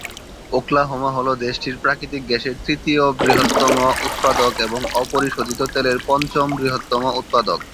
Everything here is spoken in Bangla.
ওকলাহোমা হল দেশটির প্রাকৃতিক গ্যাসের তৃতীয় বৃহত্তম উৎপাদক এবং অপরিশোধিত তেলের পঞ্চম বৃহত্তম উৎপাদক।